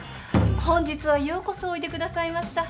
本日はようこそおいでくださいました。